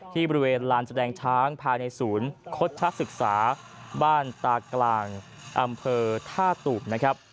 ที่บริเวณลานแสดงช้างภายในศูนย์คดชะศึกษาบ้านตากลางอำเภอท่าตูมนะครับ